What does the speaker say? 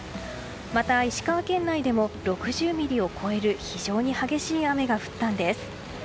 また石川県内でも６０ミリを超える非常に激しい雨が降ったんです。